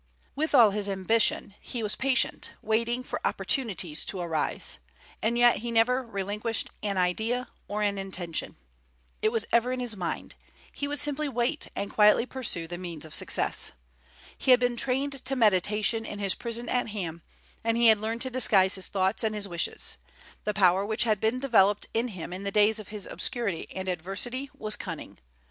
With all his ambition, he was patient, waiting for opportunities to arise; and yet he never relinquished an idea or an intention, it was ever in his mind: he would simply wait, and quietly pursue the means of success. He had been trained to meditation in his prison at Ham; and he had learned to disguise his thoughts and his wishes. The power which had been developed in him in the days of his obscurity and adversity was cunning.